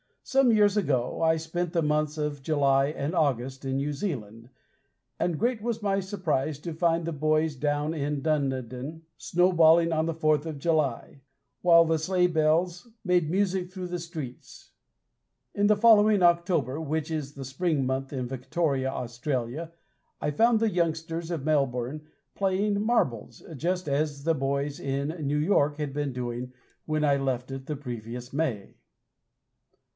Some years ago I spent the months of July and August in New Zealand, and great was my surprise to find the boys down at Dunedin snowballing on the Fourth of July, while the sleigh bells made music through the streets. In the following October, which is the spring month in Victoria, Australia, I found the youngsters of Melbourne playing marbles, just as the boys in New York had been doing when I left it the previous May.